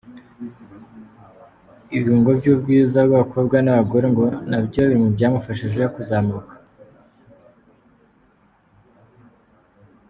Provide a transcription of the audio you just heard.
Iburungo by'ubwiza bw'abakobwa n'abagore ngo nabyo biri mu byamufashije kuzamuka.